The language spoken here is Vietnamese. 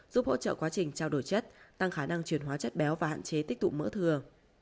giúp hỗ trợ quá trình trao đổi chất tăng khả năng truyền hóa chất béo và hạn chế tích tụ mỡ thừa